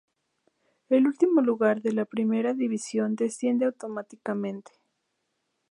El último lugar de la Primera División desciende automáticamente.